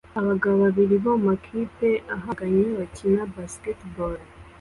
Abagabo babiri bo mumakipe ahanganye bakina basketball